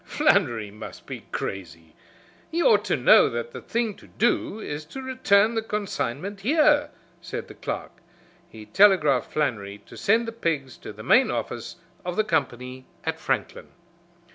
"Flannery must be crazy. He ought to know that the thing to do is to return the consignment here," said the clerk. He telegraphed Flannery to send the pigs to the main office of the company at Franklin.